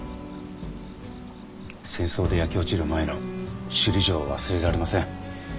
戦争で焼け落ちる前の首里城を忘れられません。